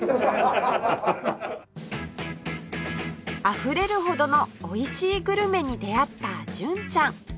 あふれるほどのおいしいグルメに出会った純ちゃん